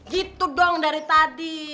gitu dong dari tadi